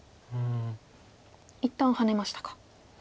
一旦ハネましたか。